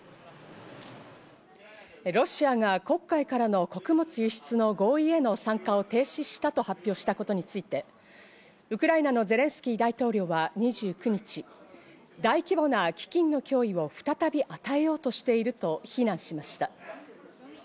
ロシアが黒海からの穀物輸出の合意への参加を停止したと発表したことについて、ウクライナのゼレンスキー大統領は２９日、大規模な飢饉の脅威を再び与えようとしていると非難しました。